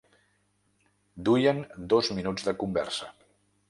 Duien dos minuts de conversa.